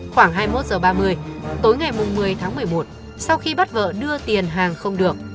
khoảng hai mươi một h ba mươi tối ngày một mươi tháng một mươi một sau khi bắt vợ đưa tiền hàng không được